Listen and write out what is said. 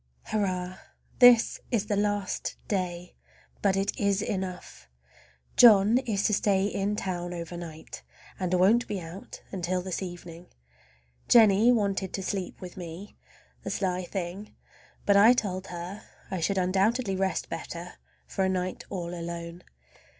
Hurrah! This is the last day, but it is enough. John is to stay in town over night, and won't be out until this evening. Jennie wanted to sleep with me—the sly thing! but I told her I should undoubtedly rest better for a night all alone.